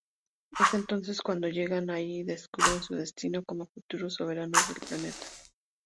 Es entonces cuando llegan allí y descubren su destino como futuros soberanos del planeta.